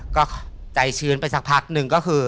ก็ใจชื้นไปสักพักหนึ่งก็คือ